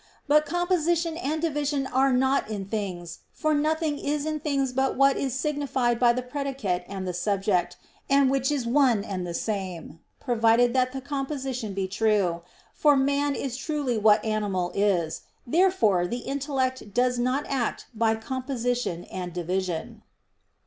But composition and division are not in things, for nothing is in things but what is signified by the predicate and the subject, and which is one and the same, provided that the composition be true, for "man" is truly what "animal" is. Therefore the intellect does not act by composition and division.